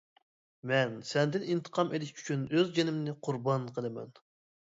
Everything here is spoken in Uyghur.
مەن سەندىن ئىنتىقام ئېلىش ئۈچۈن ئۆز جېنىمنى قۇربان قىلىمەن!